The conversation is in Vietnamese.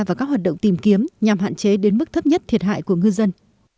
và các hoạt động tìm kiếm nhằm hạn chế đến mức thấp nhất thiệt hại của ngư dân